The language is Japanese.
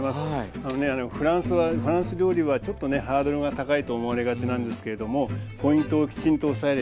あのねフランス料理はちょっとねハードルが高いと思われがちなんですけれどもポイントをきちんと押さえればね